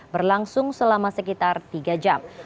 berlangsung selama sekitar tiga jam